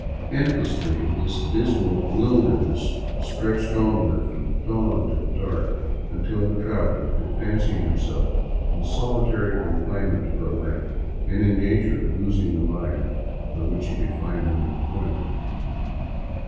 Endlessly this dismal wil derness stretched onward from dawn to dark, until the traveler could fancy himself in solitary confinement for life, and in danger of losing the mind for which he could find no employment.